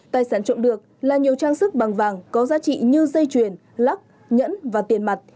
tài sản trộm được là nhiều trang sức bằng vàng có giá trị như dây chuyền lắc nhẫn và tiền mặt